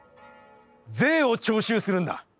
『税を徴収するんだ。